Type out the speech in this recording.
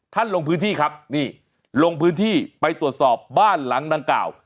ลงพื้นที่ครับนี่ลงพื้นที่ไปตรวจสอบบ้านหลังดังกล่าว